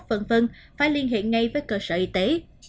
phần phân phải liên hiện ngay với cơ sở y tế